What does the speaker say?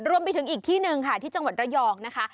รวมไปถึงอีกที่หนึ่งค่ะที่จังหวัดระยองนะคะ